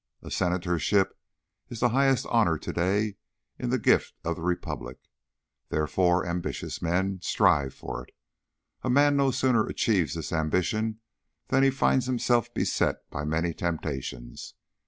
A Senatorship is the highest honour to day in the gift of the Republic; therefore ambitious men strive for it. A man no sooner achieves this ambition than he finds himself beset by many temptations.